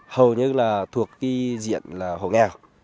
hầu như là thuộc cái diện là hồ nghèo